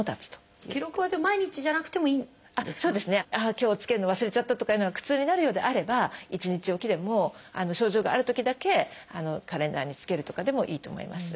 今日つけるの忘れちゃったとかいうのが苦痛になるようであれば一日置きでも症状があるときだけカレンダーにつけるとかでもいいと思います。